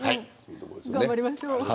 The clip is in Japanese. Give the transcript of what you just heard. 頑張りましょう。